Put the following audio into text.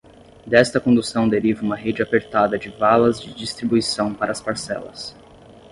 Desta condução deriva uma rede apertada de valas de distribuição para as parcelas.